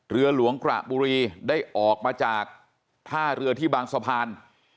เรือหลวงกระบุรีได้ออกมาจากท่าเรือที่บางสะพาน